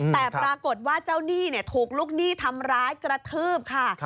แต่ปรากฏว่าเจ้าหนี้ถูกลูกหนี้ทำร้ายกระทืบค่ะ